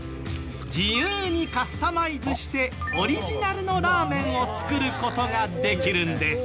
自由にカスタマイズしてオリジナルのラーメンを作る事ができるんです。